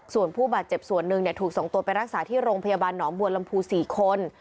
ส่วนผู้บาดเจ็บส่วนหนึ่งถูกส่งตัวไปรักษาที่โรงพยาบาลหนองบัวลำพู๔คน